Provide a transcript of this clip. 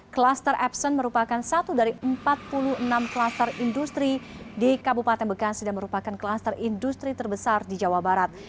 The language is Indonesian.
kluster epson merupakan satu dari empat puluh enam kluster industri di kabupaten bekasi dan merupakan kluster industri terbesar di jawa barat